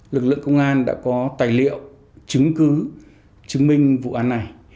lực lượng công an đã có tài liệu chứng cứ chứng minh vụ án này